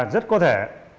rất có thể